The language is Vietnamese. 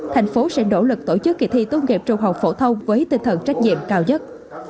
thành phố sẽ nỗ lực tổ chức kỳ thi tốt nghiệp trung học phổ thông với tinh thần trách nhiệm cao nhất